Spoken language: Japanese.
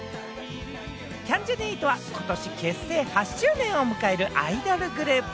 キャンジャニ∞は、ことし結成８周年を迎えるアイドルグループ。